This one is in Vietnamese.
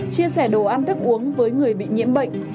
chia sẻ đồ ăn thức uống với người bị nhiễm bệnh